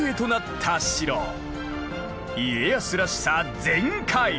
家康らしさ全開！